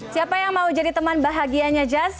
siapa yang mau jadi teman bahagianya jazz